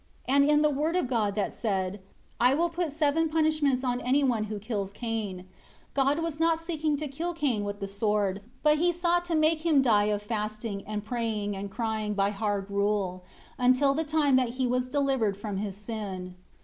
26 And in the word of God that said, "I will put seven punishments on anyone who kills Cain," God was not seeking to kill Cain with the sword, but He sought to make him die of fasting, and praying and crying by hard rule, until the time that he was delivered from his sin.